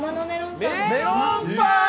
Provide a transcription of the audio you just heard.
メロンパン！